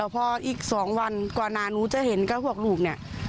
พออีก๒วันก่อนนานูจะเห็นก็พวกลูกนี่